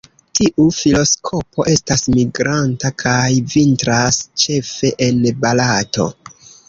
Tiu filoskopo estas migranta kaj vintras ĉefe en Barato.